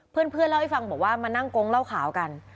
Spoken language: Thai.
เพื่อนเล่าให้ฟังบอกว่ามานั่งโก๊งเหล้าขาวกัน